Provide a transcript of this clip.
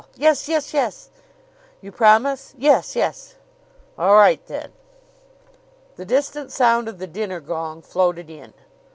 "Yes, yes, yes!" "You promise?" "Yes, yes!" "All right, then." The distant sound of the dinner gong floated in.